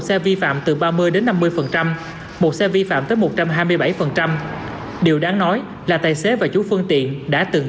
xe vi phạm từ ba mươi đến năm mươi một xe vi phạm tới một trăm hai mươi bảy điều đáng nói là tài xế và chủ phương tiện đã từng